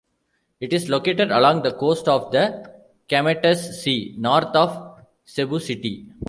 It is located along the coast of the Camotes Sea, north of Cebu City.